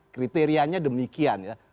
kriterianya demikian ya